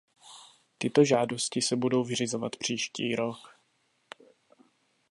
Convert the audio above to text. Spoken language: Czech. Tyto žádosti se budou vyřizovat příští rok.